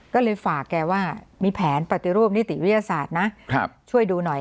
ก็เลยฝากแกว่ามีแผนปฏิรูปนิติวิทยาศาสตร์นะช่วยดูหน่อย